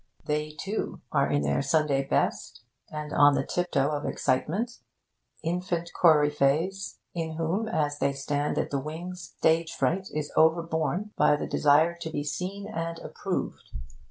They, too, are in their Sunday best, and on the tiptoe of excitement infant coryphe'es, in whom, as they stand at the wings, stage fright is overborne by the desire to be seen and approved.